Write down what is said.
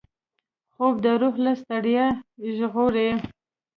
خوب د روح له ستړیا ژغوري